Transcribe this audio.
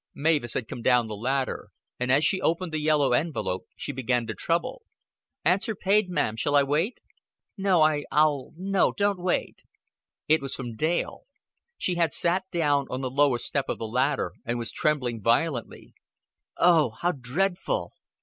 Mavis had come down the ladder, and as she opened the yellow envelope she began to tremble. "Answer paid, ma'am. Shall I wait?" "No. I I'll No, don't wait." It was from Dale. She had sat down on the lowest step of the ladder, and was trembling violently. "Oh, how dreadful!"